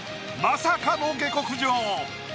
まさかの下克上。